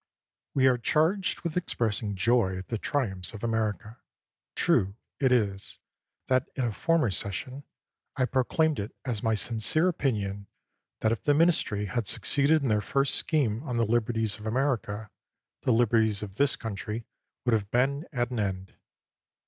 We are charged with expressing joy at the triumphs of America. True it is that, in a former session, I proclaimed it as my sincere opinion, that if the ministry had succeeded in their first scheme on the liberties of America, the liberties of this country would have been at an end.